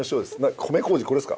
米麹これっすか？